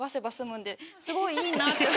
すごいいいなって。